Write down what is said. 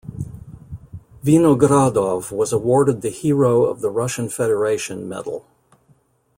Vinogradov was awarded the Hero of the Russian Federation medal.